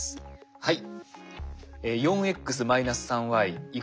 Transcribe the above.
はい。